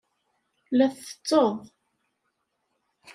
La ttetteḍ